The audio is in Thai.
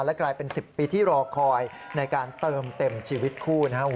และกลายเป็น๑๐ปีที่รอคอยในการเติมเต็มชีวิตคู่นะครับ